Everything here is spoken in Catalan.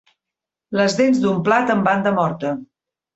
Les dents d'un plat amb banda morta.